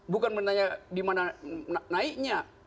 bukan menanya di mana naiknya